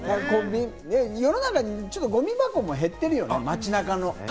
世の中にゴミ箱も減ってるよね、街中の。